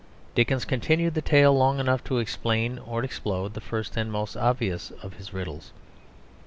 Dickens continued the tale long enough to explain or explode the first and most obvious of his riddles.